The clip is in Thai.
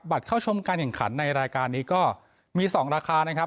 เข้าชมการแข่งขันในรายการนี้ก็มี๒ราคานะครับ